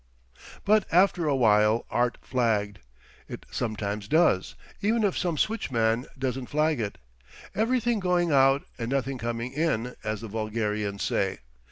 But after a while Art flagged. It sometimes does, even if some switchman doesn't flag it. Everything going out and nothing coming in, as the vulgarians say.